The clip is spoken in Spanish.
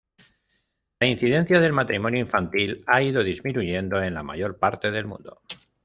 La incidencia del matrimonio infantil ha ido disminuyendo en la mayor parte del mundo.